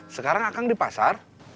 sekarang kang di pasar